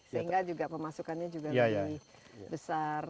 sehingga juga pemasukannya juga lebih besar